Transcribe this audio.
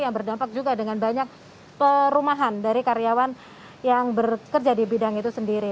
yang berdampak juga dengan banyak perumahan dari karyawan yang bekerja di bidang itu sendiri